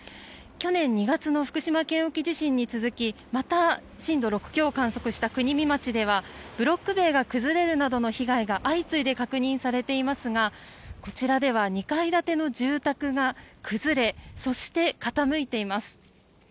去年２月の福島県沖地震に続きまた震度６強を観測した国見町ではブロック塀が崩れるなどの被害が相次いで確認されていますがこちらでは２階建ての住宅が崩れそして、傾いています。